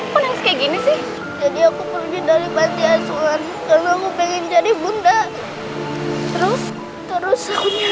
kayak gini sih jadi aku pergi dari panti asuhan kalau pengen jadi bunda terus terus